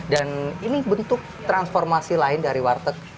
dan ini bentuk transformasi lain dari warteg